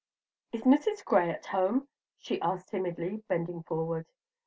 "Is Mrs. Gray at home?" she asked timidly, bending forward.